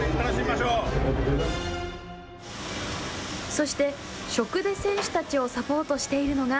そして食で選手たちをサポートしているのが。